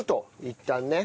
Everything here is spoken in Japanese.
いったんね。